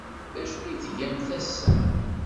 D acu ay tgamt ass-a?